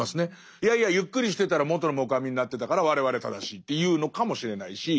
いやいやゆっくりしてたら元のもくあみになってたから我々正しいって言うのかもしれないし。